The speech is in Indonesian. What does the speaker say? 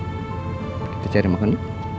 kita cari makan yuk